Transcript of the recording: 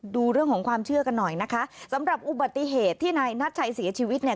ดูเรื่องของความเชื่อกันหน่อยนะคะสำหรับอุบัติเหตุที่นายนัทชัยเสียชีวิตเนี่ย